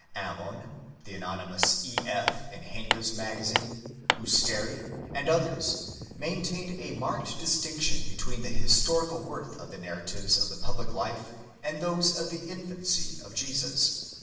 Ammon,! the anonymous E. F. in Henke's Magazine, Usteri, and others maintained a marked distinction between the historical worth of the narra tives of the public life and those of the infancy of Jesus.